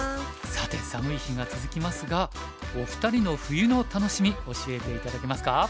さて寒い日が続きますがお二人の冬の楽しみ教えて頂けますか？